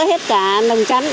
hết cả lồng chắn